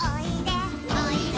「おいで」